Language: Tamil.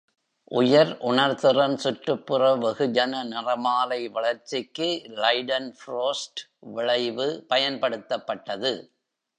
உயர் உணர்திறன் சுற்றுப்புற வெகுஜன நிறமாலை வளர்ச்சிக்கு லைடன்ஃப்ரோஸ்ட் விளைவு பயன்படுத்தப்பட்டது.